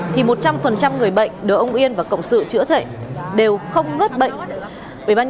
thì một trăm linh người bệnh đỡ ông yên và cộng sự chữa thể đều không ngất bệnh